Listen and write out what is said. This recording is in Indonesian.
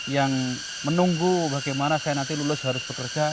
yang menunggu bagaimana saya nanti lulus harus bekerja